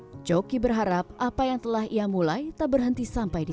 um terus posted dari reddit keigiousgairah at juga di atas stem whitrack juga